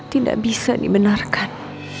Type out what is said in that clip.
tidak bisa dibenarkan